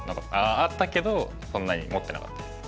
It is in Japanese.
あああったけどそんなに持ってなかったです。